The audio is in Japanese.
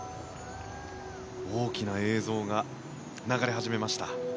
大きな映像が流れ始めました。